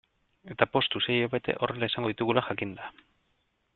Eta poztu sei hilabete horrela izango ditugula jakinda.